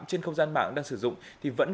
trên không gian mạng đang sử dụng thì vẫn